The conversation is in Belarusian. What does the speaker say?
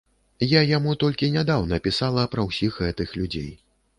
Я яму толькі нядаўна пісала пра ўсіх гэтых людзей.